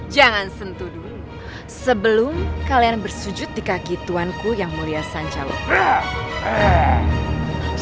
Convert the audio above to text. jangan sentuh dulu sebelum kalian bersujud di kaki tuan ku yang mulia sancaloka